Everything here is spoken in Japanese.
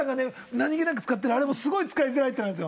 何げなく使ってるあれも使いづらいのあるんです。